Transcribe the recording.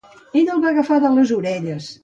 Ella el va agafar de les orelles.